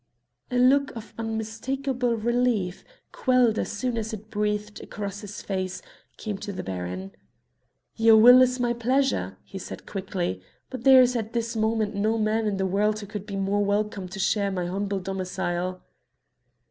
A look of unmistakable relief, quelled as soon as it breathed across his face, came to the Baron. "Your will is my pleasure," he said quickly; "but there is at this moment no man in the world who could be more welcome to share my humble domicile.".